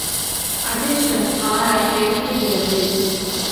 அதிர்ஷ்டம் ஆறாய்ப் பெருகுகிறது.